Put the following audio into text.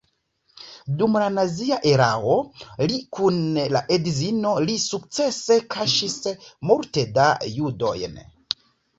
Dum la nazia erao li kun la edzino li sukcese kaŝis multe da judojn.